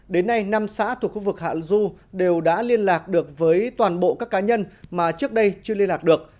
đến nay năm xã thuộc khu vực hạ du đều đã liên lạc được với toàn bộ các cá nhân mà trước đây chưa liên lạc được